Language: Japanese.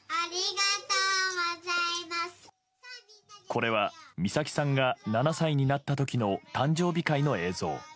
これは、美咲さんが７歳になった時の誕生日会の映像。